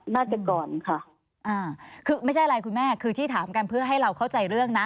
น่าจะก่อนค่ะอ่าคือไม่ใช่อะไรคุณแม่คือที่ถามกันเพื่อให้เราเข้าใจเรื่องนะ